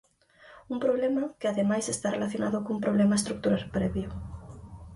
Un problema que, ademais, está relacionado cun problema estrutural previo.